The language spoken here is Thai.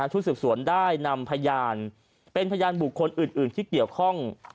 ชุดสืบสวนได้นำพยานเป็นพยานบุคคลอื่นที่เกี่ยวข้อง